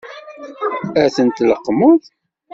Ad ten-tleqqmeḍ?